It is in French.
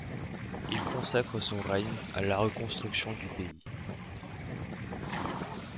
Il consacre son règne à la reconstruction du pays.